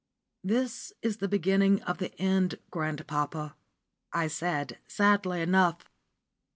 "This is the beginning of the end, grandpapa," I said, sadly enough.